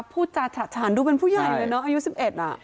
พูดจาฉะฉานดูเป็นผู้ใหญ่เลยเนอะอายุ๑๑อ่ะ